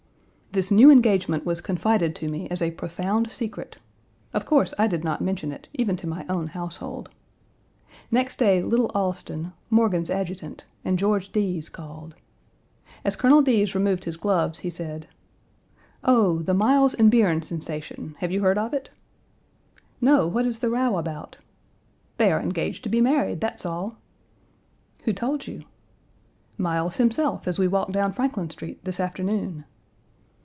This new engagement was confided to me as a profound secret. Of course, I did not mention it, even to my own household. Next day little Alston, Morgan's adjutant, and George Deas called. As Colonel Deas removed his gloves, he said: "Oh! the Miles and Bierne sensation have you heard of it," "No, what is the row about?" "They are engaged to be married; that's all." "Who told you?" "Miles himself, as we walked down Franklin Street, this afternoon."